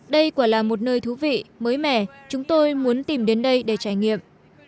đây quả là một nơi thú vị mới mẻ chúng tôi muốn tìm đến đây để trải nghiệm